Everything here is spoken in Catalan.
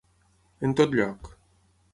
En tot lloc.